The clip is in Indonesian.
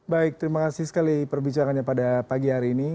baik terima kasih sekali perbicaraannya pada pagi hari ini